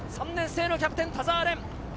３年生のキャプテン・田澤廉。